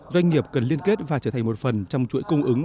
doanh nghiệp cần liên kết và trở thành một phần trong chuỗi cung ứng